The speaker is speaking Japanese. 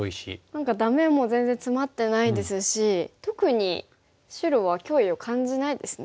何かダメも全然ツマってないですし特に白は脅威を感じないですね。